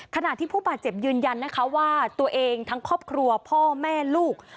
ขณะที่ผู้บาดเจ็บยืนยันนะคะว่าตัวเองทั้งครอบครัวพ่อแม่ลูก